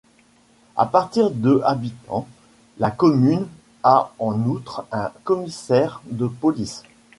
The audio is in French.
À partir de habitants, la commune a en outre un commissaire de police.